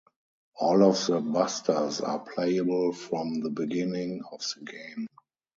All of the Busters are playable from the beginning of the game.